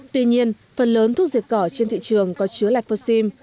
tuy nhiên phần lớn thuốc dệt cỏ trên thị trường có chứa lyphosim